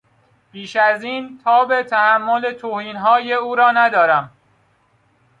بیش از این تاب تحمل توهینهای او را ندارم.